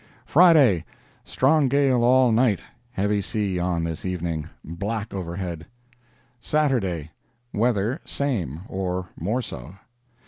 Friday—Strong gale all night; heavy sea on this evening; black overhead. Saturday—Weather same, or more so.